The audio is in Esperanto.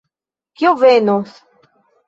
Kio venos?